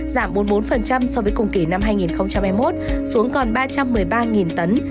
giảm bốn mươi bốn so với cùng kỳ năm hai nghìn hai mươi một xuống còn ba trăm một mươi ba tấn